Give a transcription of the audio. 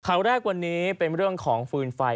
ข่าวแรกวันนี้เป็นเรื่องของฟืนไฟ